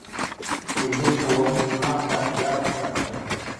Күлдең һыуы ысынлап та яп-яҡты.